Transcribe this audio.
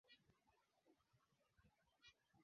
wa Kanisa la Mashariki Iraq ina akiba kubwa za mafuta ya